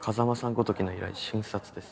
ごときの依頼瞬殺です。